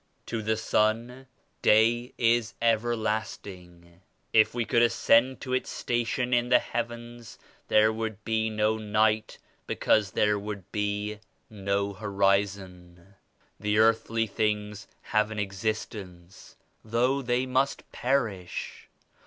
To the sun, day is everlasting. If we could ascend to its station in the heavens there would be no night because there would be no horizon. The earthly things have an existence, though they must perish.